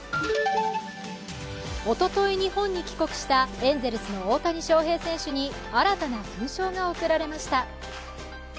おととい、日本に帰国したエンゼルスの大谷翔平選手に新たな勲章が贈られました。